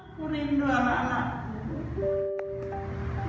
aku rindu anak anakku